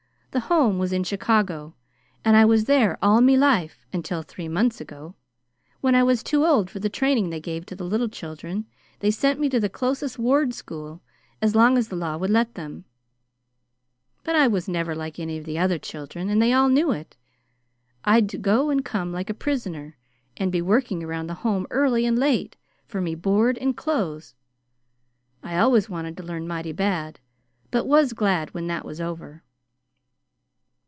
"The Home was in Chicago, and I was there all me life until three months ago. When I was too old for the training they gave to the little children, they sent me to the closest ward school as long as the law would let them; but I was never like any of the other children, and they all knew it. I'd to go and come like a prisoner, and be working around the Home early and late for me board and clothes. I always wanted to learn mighty bad, but I was glad when that was over.